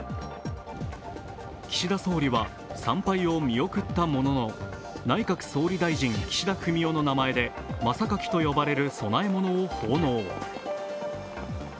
岸田総理は参拝を見送ったものの内閣総理大臣・岸田文雄の名前でまさかきと呼ばれる供え物を奉納。